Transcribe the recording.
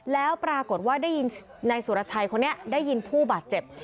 แล้วปรากฏว่าได้ยินนายสุรชัยคนนี้ได้ยินผู้บาดเจ็บ